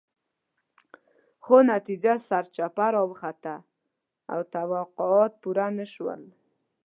خو نتیجه سرچپه راوخته او توقعات پوره نه شول.